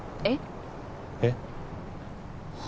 えっ？